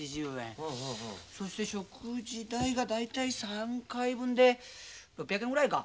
そして食事代が大体３回分で６００円ぐらいか。